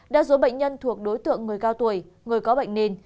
đa số bệnh nhân thuộc đối tượng người cao tuổi người có bệnh nền